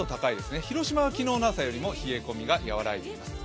広島は昨日の朝よりも冷え込みが和らいでいます。